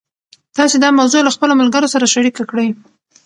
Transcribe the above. تاسي دا موضوع له خپلو ملګرو سره شریکه کړئ.